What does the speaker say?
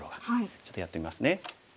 ちょっとやってみますね。